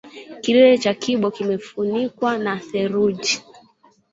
Kilele cha kibo kimefunikwa na theluji